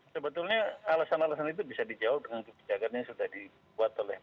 sebetulnya alasan alasan itu bisa dijawab dengan kebijakan yang sudah dibuat oleh